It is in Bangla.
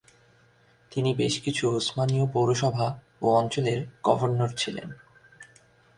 তিনি বেশ কিছু উসমানীয় পৌরসভা ও অঞ্চলের গভর্নর ছিলেন।